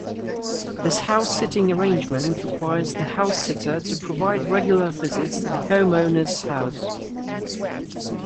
This house-sitting arrangement requires the house-sitter to provide regular visits to the homeowner's house.